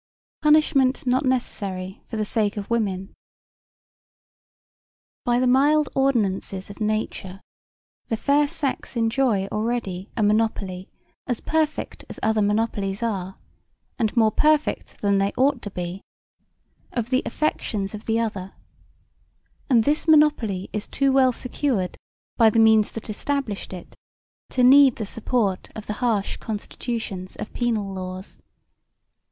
Punishment not necessary for the sake of women By the mild ordinances of nature the fair sex enjoy already a monopoly as perfect as other monopolies are, and more perfect than they ought to be, of the affections of the other and this monopoly is too well secured by the means that established it to need the support of the harsh constitutions of penal laws.